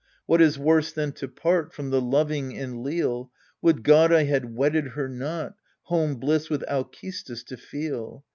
What is worse than to part From the loving and leal ? Would God I had wedded her not, home bliss with Alces tis to feel